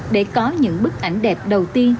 để có những bức ảnh đẹp đầu tiên